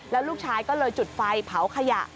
แล้วลูกชายก็เลยจุดไฟเผาขยะ